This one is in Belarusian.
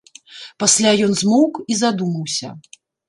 Пасля ён змоўк і задумаўся.